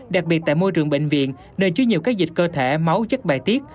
đặc biệt tại môi trường bệnh viện nơi chứa nhiều các dịch cơ thể máu chất bài tiết